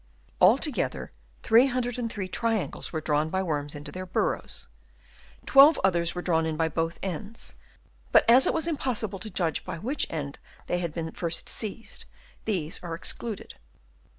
Altogether 303 triangles were drawn by worms into their burrows : 12 others were drawn in by both ends, but as it was im possible to judge by which end they had been first seized, these are excluded.